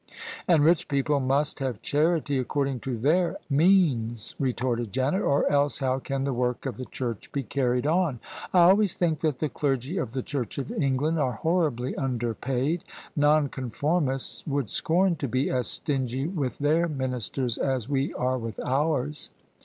" And rich people must have charity according to their means," retorted Janet, " or else how can the work of the Church be carried on? I always think that the clergy of the Church of England are horribly underpaid. Noncon formists would scorn to be as stingy with their ministers as we are with ours."